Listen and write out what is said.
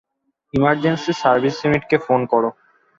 Emergency service ইউনিটকে phone করো।